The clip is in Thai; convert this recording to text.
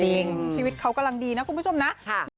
ชีวิตเขากำลังดีนะคุณผู้ชมนะ